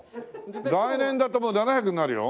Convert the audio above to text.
来年だともう７００になるよ。